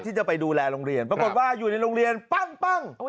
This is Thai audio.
ที่จะไปดูแลโรงเรียนปรากฏว่าอยู่ในโรงเรียนปั้ง